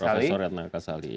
profesor reynaud kasali